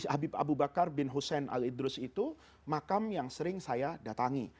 habib abu bakar bin hussein al idrus itu makam yang sering saya datangi